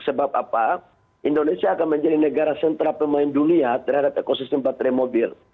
sebab apa indonesia akan menjadi negara sentra pemain dunia terhadap ekosistem baterai mobil